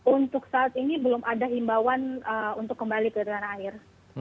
untuk saat ini belum ada himbauan untuk kembali ke tanah air